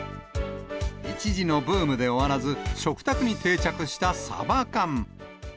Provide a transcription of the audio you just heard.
一時のブームで終わらず、食卓に定着したサバ缶。